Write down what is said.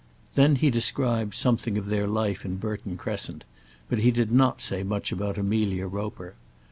Then he described something of their life in Burton Crescent, but did not say much about Amelia Roper.